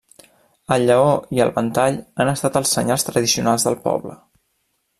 El lleó i el ventall han estat els senyals tradicionals del poble.